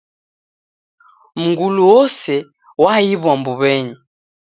Mngulu wose waiw'a mbuw'enyi